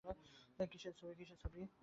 কিসের ছবি?